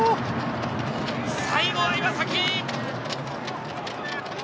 最後は岩崎。